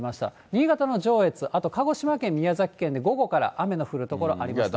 新潟の上越、あと鹿児島県、宮崎県で午後から雨の降る所あります。